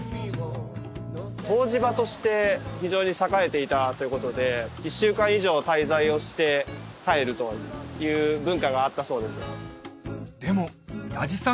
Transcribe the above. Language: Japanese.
湯治場として非常に栄えていたということで１週間以上滞在をして帰るという文化があったそうです